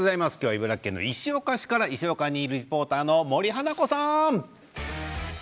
茨城県の石岡市からリポーターの森花子さん！